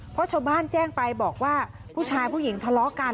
เพราะชาวบ้านแจ้งไปบอกว่าผู้ชายผู้หญิงทะเลาะกัน